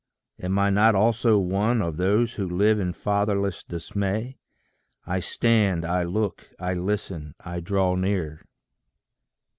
am I not also one Of those who live in fatherless dismay? I stand, I look, I listen, I draw near.